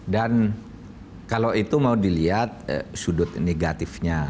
dan kalau itu mau dilihat sudut negatifnya